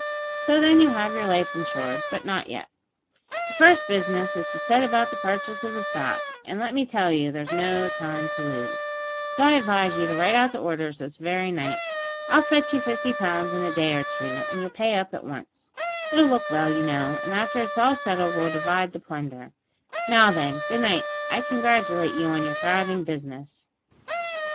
So, then, you'll have your life insured, but not yet. Your first business is to set about the purchase of the stock, and, let me tell you, there's no time to lose, so I advise you to write out the orders this very night. I'll fetch you fifty pounds in a day or two, and you'll pay up at once. It'll look well, you know, and after it's all settled we'll divide the plunder. Now then, good night. I congratulate you on your thriving business."